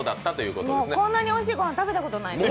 こんなにおいしい御飯、食べたことない。